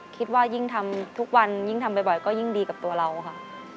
คิดว่ายิ่งทำทุกวันยิ่งทำบ่อยก็ยิ่งดีกับตัวเราค่ะ